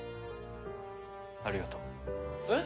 ありがとう。えっ？